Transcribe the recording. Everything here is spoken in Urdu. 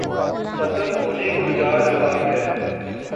ختم ہونے کوجارہاہے۔